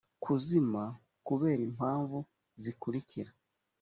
kuzima kubera impamvu zikurikira